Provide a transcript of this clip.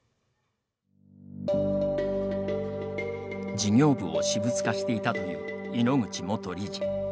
事業部を私物化していたという井ノ口元理事。